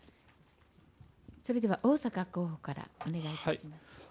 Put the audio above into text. それでは逢坂候補からお願いいたします。